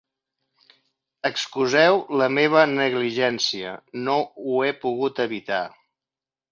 Excuseu la meva negligència, no ho he pogut evitar.